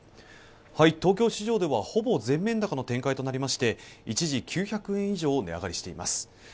東京市場ではほぼ全面高の展開となりまして一時９００円以上値上がりしています